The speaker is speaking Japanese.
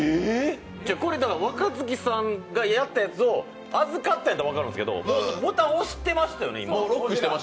これ、若槻さんがやったやつを預かるんだったら分かるんですけど、ボタン押してましたよね、今。